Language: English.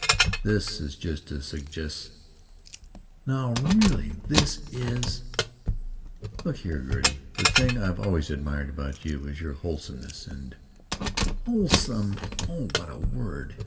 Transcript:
This is just a sugges——" "Now really, this is——" "Look here, Gertie, the thing I've always admired about you is your wholesomeness and——" "'Wholesome!' Oh, that word!